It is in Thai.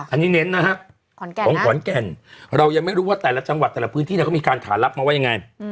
อันนี้เน้นนะครับของขนแก่นเรายังไม่รู้ว่าแต่ละจังหวัดแต่ละพื้นที่มันก็มีการถ่าลับมาว่าอย่างไร